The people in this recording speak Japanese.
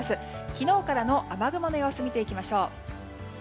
昨日からの雨雲の様子を見ていきましょう。